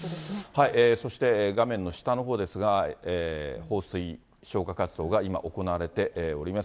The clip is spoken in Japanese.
そして画面の下のほうですが、放水、消火活動が今、行われております。